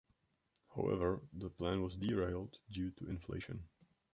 However, the plan was derailed due to inflation.